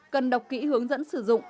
cần đọc kỹ hướng dẫn sử dụng